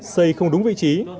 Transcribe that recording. xây không đúng vị trí